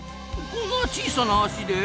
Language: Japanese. こんな小さな足で？